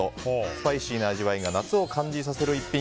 スパイシーな味わいが夏を感じさせる一品。